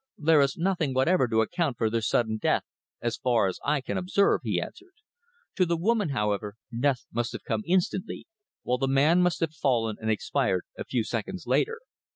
"There is nothing whatever to account for their sudden death, as far as I can observe," he answered. "To the woman, however, death must have come instantly, while the man must have fallen and expired a few seconds later.